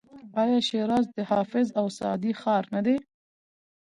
آیا شیراز د حافظ او سعدي ښار نه دی؟